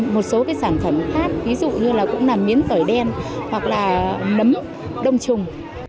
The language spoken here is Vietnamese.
một số cái sản phẩm khác ví dụ như là cũng là miếng tỏi đen hoặc là nấm đông trùng